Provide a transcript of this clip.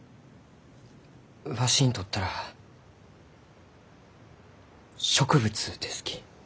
わしにとったら植物ですき。